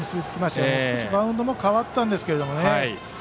少しバウンドも変わったんですけどね。